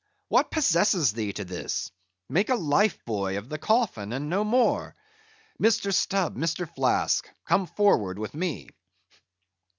what possesses thee to this? Make a life buoy of the coffin, and no more.—Mr. Stubb, Mr. Flask, come forward with me."